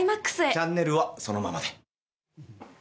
チャンネルはそのまま。